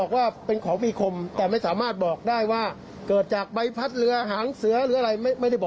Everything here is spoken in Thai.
แล้วก็ไม่พบว่ามีการฟันหัดตามที่เป็นข่าวทางโซเชียลก็ไม่พบ